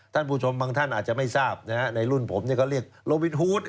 ท่านผู้ชมบางท่านอาจจะไม่ทราบในรุ่นผมก็เรียกโลวิทฮูด